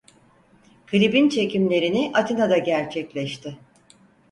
Klibin çekimlerini Atina'da gerçekleşti.